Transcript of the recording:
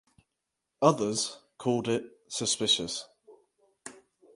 Others called it "suspicious".